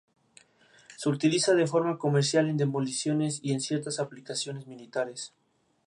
Se utiliza de forma comercial en demoliciones y en ciertas aplicaciones militares.